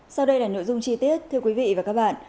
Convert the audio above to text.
sau đây là nội dung chi tiết thưa quý vị và các bạn